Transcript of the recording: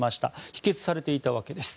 否決されていたわけです。